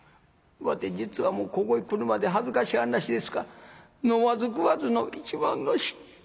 わて実はもうここへ来るまで恥ずかしい話ですが飲まず食わずの一文無し」。